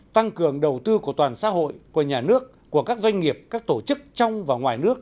tăng cường đầu tư của toàn xã hội của nhà nước của các doanh nghiệp các tổ chức trong và ngoài nước